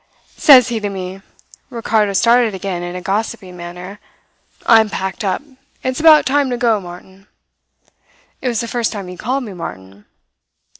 "Says he to me" Ricardo started again in a gossiping manner 'I'm packed up. It's about time to go, Martin.' "It was the first time he called me Martin.